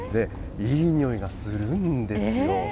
いい匂いがするんですよ。